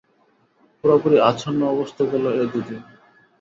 পুরোপুরি আচ্ছান্ন অবস্থা গেল এ দু দিন।